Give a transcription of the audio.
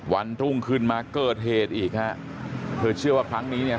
วันรุ่งขึ้นมาเกิดเหตุอีกฮะเธอเชื่อว่าครั้งนี้เนี่ย